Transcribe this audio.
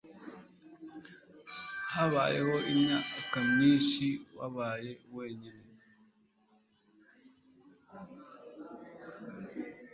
habayeho imyaka myinshi wabaye wenyine